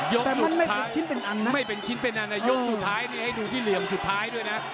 ยกสุดท้ายแต่มันไม่เป็นชิ้นเป็นอันนะไม่เป็นชิ้นเป็นอันนะยกสุดท้ายนี่ให้ดูที่เหลี่ยมสุดท้ายด้วยนะ